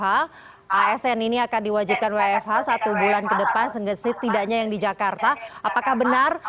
asn ini akan diwajibkan wfh satu bulan ke depan sehingga setidaknya yang di jakarta apakah benar